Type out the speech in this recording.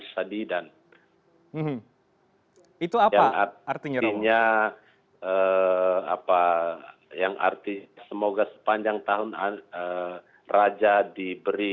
yang artinya semoga sepanjang tahun raja diberi